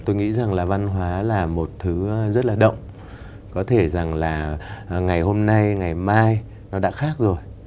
tôi nghĩ rằng là văn hóa là một thứ rất là động có thể rằng là ngày hôm nay ngày mai nó đã khác rồi